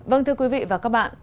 vâng thưa quý vị và các bạn